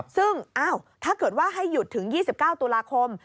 ซึ่งถ้าเกิดว่าให้หยุดถึง๒๙ตุลาคม